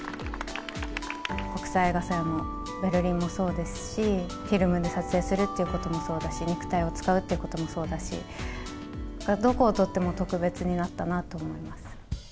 国際映画祭も、ベルリンもそうですし、フィルムで撮影するということもそうだし、肉体を使うっていうこともそうだし、どこを取っても特別になったなと思います。